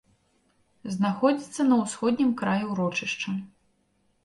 Знаходзіцца на ўсходнім краі ўрочышча.